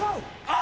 あ！